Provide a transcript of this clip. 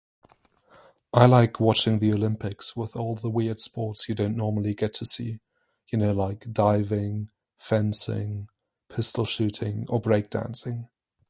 I like watching the Olympics with all the weird sports you don't normally get to see. You know, like diving, fencing, pistol shooting or break dancing.